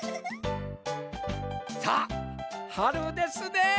さあはるですねえ。